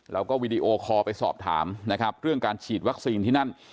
วีดีโอคอลไปสอบถามนะครับเรื่องการฉีดวัคซีนที่นั่น